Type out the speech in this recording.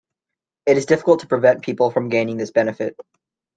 It is difficult to prevent people from gaining this benefit.